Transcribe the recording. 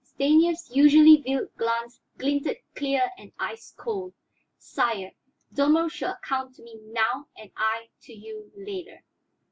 Stanief's usually veiled glance glinted clear and ice cold. "Sire, Dalmorov shall account to me now; and I to you later."